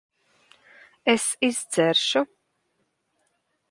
Es izdzeršu.